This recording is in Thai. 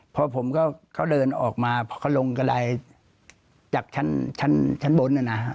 พอผมก็เขาเดินออกมาพอเขาลงกระดายจากชั้นบนนะฮะ